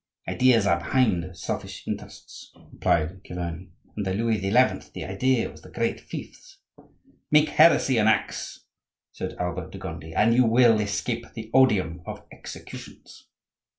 "Ideas are behind selfish interests," replied Chiverni. "Under Louis XI. the idea was the great Fiefs—" "Make heresy an axe," said Albert de Gondi, "and you will escape the odium of executions."